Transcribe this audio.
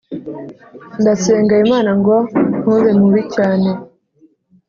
ndasenga imana ngo ntube mubi cyane